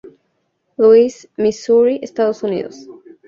Louis, Misuri, Estados Unidos.